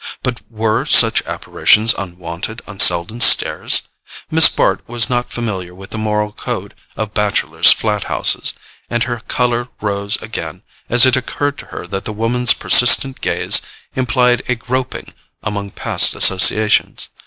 But WERE such apparitions unwonted on Selden's stairs? Miss Bart was not familiar with the moral code of bachelors' flat houses, and her colour rose again as it occurred to her that the woman's persistent gaze implied a groping among past associations.